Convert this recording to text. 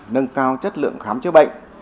nâng cao chất lượng khám chữa bệnh